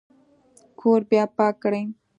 کور بیا پاک کړئ